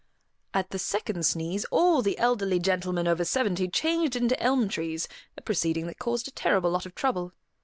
At the second sneeze, all the elderly gentlemen over seventy changed into elm trees, a proceeding that caused a terrible lot of trouble.